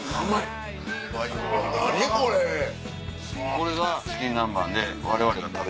これがチキン南蛮。